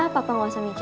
papa gak usah bicara